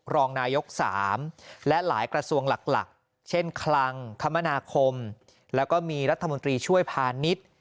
รองนายก๓และหลายกระทรวงหลักเช่นคลังคมนาคมแล้วก็มีรัฐมนตรีช่วยพาณิชย์